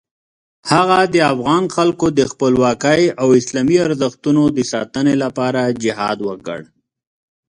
هغه د افغان خلکو د خپلواکۍ او اسلامي ارزښتونو د ساتنې لپاره جهاد وکړ.